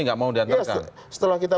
nggak mau diantarkan setelah kita